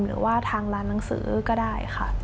หรือว่าทางร้านหนังสือก็ได้ค่ะ